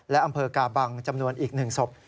และอำเภอกาบังจำนวนอีก๑ศพ